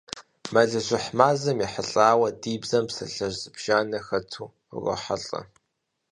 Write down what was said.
Мэлыжьыхь мазэм ехьэлӀауэ ди бзэм псалъэжь зыбжанэ хэту урохьэлӀэ.